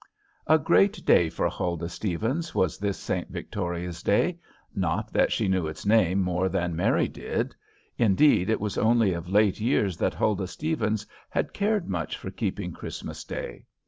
A great day for Huldah Stevens was this St. Victoria's day. Not that she knew its name more than Mary did. Indeed it was only of late years that Huldah Stevens had cared much for keeping Christmas day.